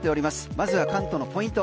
まずは関東のポイント